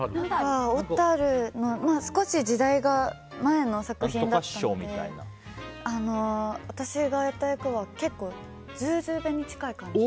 小樽の少し時代が前の作品だったので私がやった役は結構ズーズー弁に近い感じ。